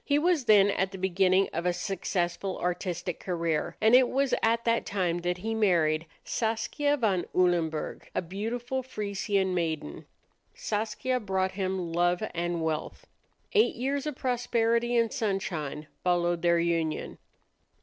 He was then at the beginning of a successful artistic career, and it was at that time that he married Saskia van Ulenburg, a beautiful Frisian maiden. Saskia brought him love and wealth. Eight years of prosperity and sunshine followed their union.